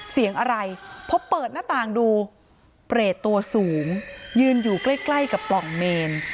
เสียงอะไรพอเปิดหน้าต่างดูเปรตตัวสูงยืนอยู่ใกล้ใกล้กับปล่องเมน